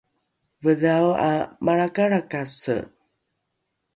vedhao ’a malrakalrakase